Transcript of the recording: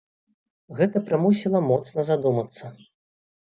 Гэта прымусіла моцна задумацца.